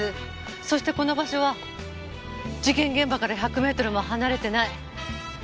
そしてこの場所は事件現場から１００メートルも離れてない。